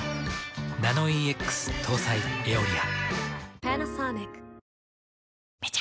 ナノイーＸ搭載「エオリア」。